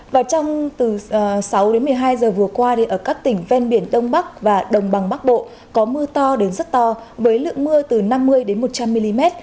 và trong từ sáu đến một mươi hai giờ vừa qua thì ở các tỉnh ven biển đông bắc và đồng bằng bắc bộ có mưa to đến rất to với lượng mưa từ năm mươi một trăm linh mm